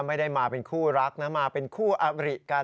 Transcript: ไม่ได้มาเป็นคู่รักนะมาเป็นคู่อบริกัน